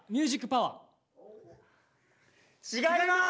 違います！